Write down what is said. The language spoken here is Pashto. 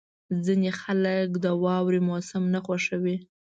• ځینې خلک د واورې موسم نه خوښوي.